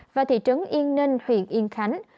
và thị trấn yên ninh huyện yên khánh